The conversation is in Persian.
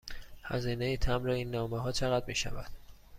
هزینه مبر این نامه ها چقدر می شود؟